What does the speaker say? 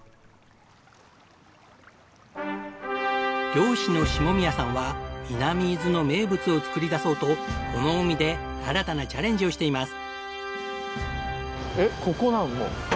漁師の下宮さんは南伊豆の名物を作り出そうとこの海で新たなチャレンジをしています。